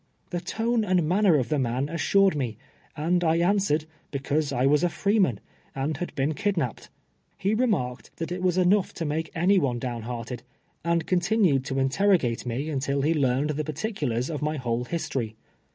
Tlie tone and manner of the man assured me, and I answered, be cause I was a freeman, and had been kidnapped. lie remarked that it was enough to make any one down hearted, and continued to interrogate me until ZSIAXNES'G, THE S.UT.OK. 73 lie learned the particulars of my whole history.